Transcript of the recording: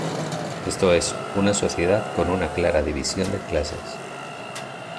Esto es, una sociedad con una clara división de clases.